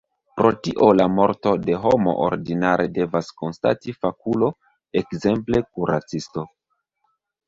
Pro tio la morton de homo ordinare devas konstati fakulo, ekzemple kuracisto.